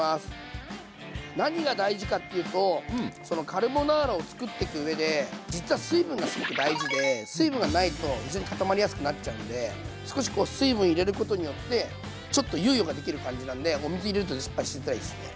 カルボナーラを作ってく上で実は水分がすごく大事で水分がないと非常に固まりやすくなっちゃうんで少しこう水分入れることによってちょっと猶予ができる感じなんでお水入れると失敗しづらいですね。